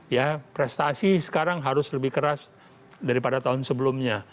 ya prestasi sekarang harus lebih keras daripada tahun sebelumnya